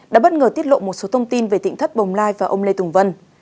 đã bất ngờ tiết lộ một số thông tin về tỉnh thất bồng lai và ông lê tùng vân